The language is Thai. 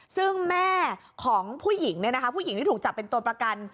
ซึ่งแม่ของผู้หญิงผู้หญิงที่ถูกจับเป็นตัวประกัน